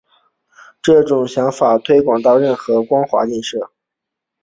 这种想法推广到任何光滑映射。